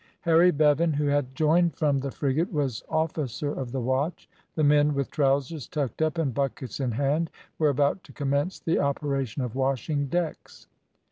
Harry Bevan, who had joined from the frigate, was officer of the watch. The men, with trowsers tucked up and buckets in hand, were about to commence the operation of washing decks.